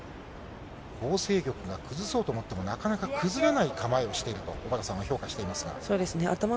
ホウ倩玉が崩そうと思っても、なかなか崩れない構えをしていると、小原さんは評価していますが。